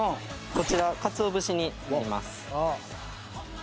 こちらかつおぶしになります。